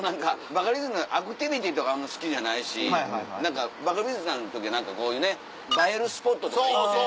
バカリズムアクティビティーとかあんま好きじゃないしバカリズムさんの時はこういうね映えるスポットとか行って。